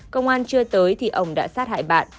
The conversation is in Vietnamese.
công an chưa tới thì ông đã sát hại bạn